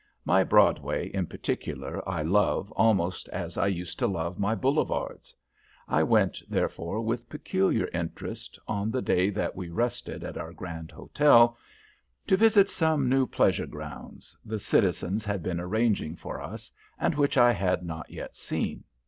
My Broadway, in particular, I love almost as I used to love my Boulevards. I went, therefore, with peculiar interest, on the day that we rested at our grand hotel, to visit some new pleasure grounds the citizens had been arranging for us, and which I had not yet seen.